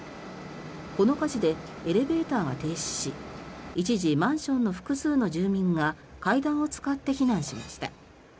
この火事でエレベーターが停止し一時、マンションの複数の住民が階段を使って避難しました。